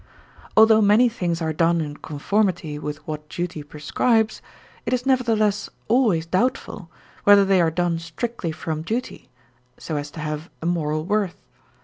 Although many things are done in conformity with what duty prescribes, it is nevertheless always doubtful whether they are done strictly from duty, so as to have a moral worth.